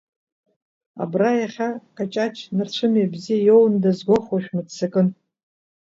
Абра иахьа, Каҷаҷ нарцәымҩа бзиа иоунда згәахәуа, шәмыццакын!